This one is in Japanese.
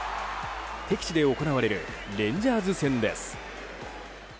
敵地で行われるレンジャーズ戦です。